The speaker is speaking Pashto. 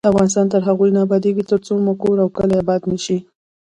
افغانستان تر هغو نه ابادیږي، ترڅو مو کور او کلی اباد نشي.